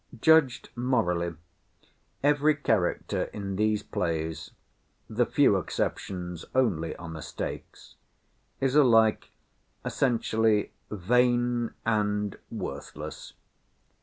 Judged morally, every character in in these plays—the few exceptions only are mistakes—is alike essentially vain and worthless.